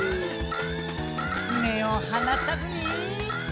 めをはなさずに！